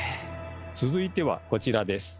続いてはこちらです。